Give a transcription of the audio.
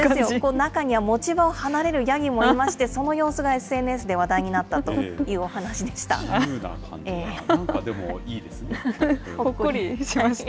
中には持ち場を離れるヤギもいまして、その様子がＳＮＳで話題になったというお話でした。